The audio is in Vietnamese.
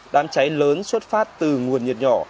đám cháy lớn xuất phát từ nguồn nhiệt nhỏ